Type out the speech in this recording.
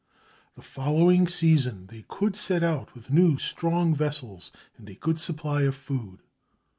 The following season they could set out with new, strong vessels and a good supply of food.